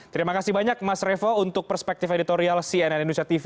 terima kasih banyak mas revo untuk perspektif editorial cnn indonesia tv